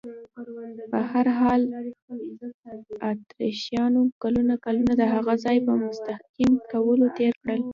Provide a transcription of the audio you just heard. په هر حال، اتریشیانو کلونه کلونه د هغه ځای په مستحکم کولو تېر کړل.